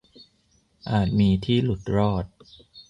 - อาจมีที่หลุดรอด